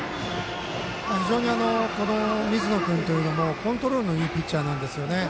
非常に水野君もコントロールのいいピッチャーなんですよね。